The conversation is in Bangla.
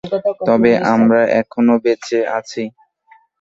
তবে, আমরা এখনও বেঁচে আছি।